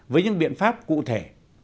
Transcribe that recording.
với những biện pháp cụ thể